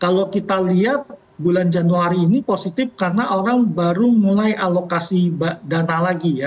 kalau kita lihat bulan januari ini positif karena orang baru mulai alokasi dana lagi ya